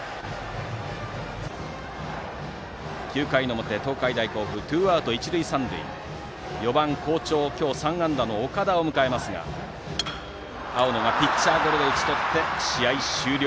９回の表、東海大甲府はツーアウト一塁三塁で４番、好調、今日３安打の岡田を迎えますが青野がピッチャーゴロで打ち取って試合終了。